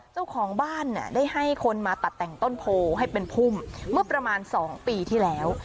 เจ้าของบ้านเนี่ยได้ให้คนมาตัดแต่งต้นโพให้เป็นพุ่มเมื่อประมาณ๒ปีที่แล้ว